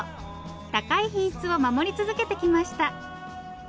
高い品質を守り続けてきました。